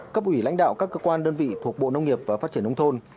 cấp ủy lãnh đạo các cơ quan đơn vị thuộc bộ nông nghiệp và phát triển nông thôn